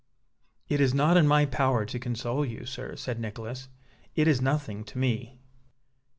"It is not in my power to console you, sir," said Nicholas. "It is nothing to me."